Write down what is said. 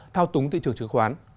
thao túng thị trường chứng khoán